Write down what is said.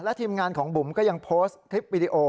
และทีมงานของบุ๋มก็ยังโพสต์คลิปวิดีโอ